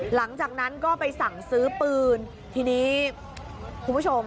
หลังจากนั้นก็ไปสั่งซื้อปืนทีนี้คุณผู้ชม